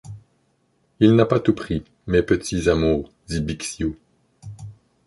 Il n’a pas tout pris, mes petits amours, dit Bixiou :…